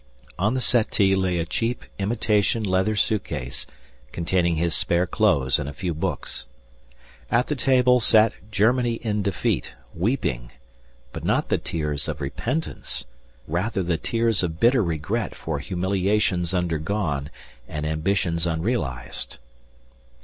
On the settee lay a cheap, imitation leather suit case, containing his spare clothes and a few books. At the table sat Germany in defeat, weeping, but not the tears of repentance, rather the tears of bitter regret for humiliations undergone and ambitions unrealized.